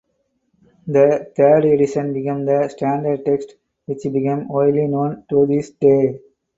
The third edition became the standard text which became widely known to this day.